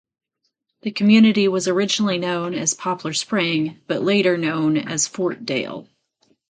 The community was originally known as Poplar Spring but later known as Fort Dale.